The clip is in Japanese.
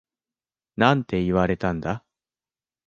なんて言われたんだ？